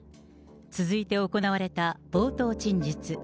続いて行われた冒頭陳述。